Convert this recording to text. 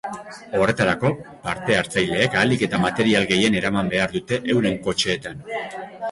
Horretarako, parte-hartzaileek ahalik eta material gehien eraman behar dute euren kotxeetan.